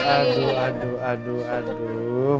aduh aduh aduh aduh